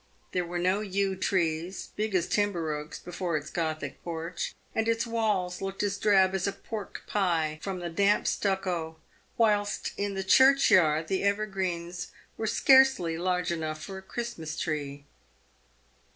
There were no yew trees, big as timber oaks, before its gothic porch, and its walls looked as drab as a pork pie, from the damp stucco, whilst in the churchyard the ever greens were scarcely large enough for a Christmas tree.